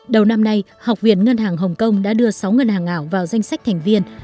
đầu năm nay học viện ngân hàng hồng kông đã đưa sáu ngân hàng ảo vào danh sách thành viên